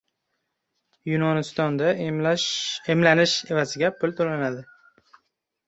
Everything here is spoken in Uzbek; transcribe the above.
Yunonistonda emlanish evaziga pul to‘lanadi